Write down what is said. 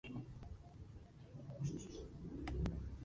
Fue la primera capital de la provincia argentina de Misiones.